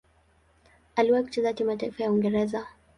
Aliwahi kucheza timu ya taifa ya Uingereza.